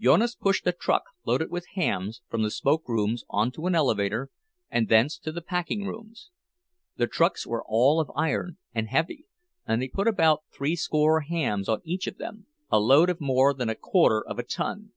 Jonas pushed a truck loaded with hams from the smoke rooms on to an elevator, and thence to the packing rooms. The trucks were all of iron, and heavy, and they put about threescore hams on each of them, a load of more than a quarter of a ton.